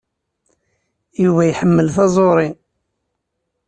Yuba iḥemmel taẓuri.